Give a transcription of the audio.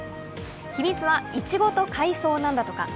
秘密はいちごと海藻なんだとか。